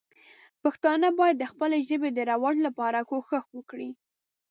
پښتانه باید د خپلې ژبې د رواج لپاره کوښښ وکړي.